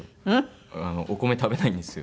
お米食べないんですよ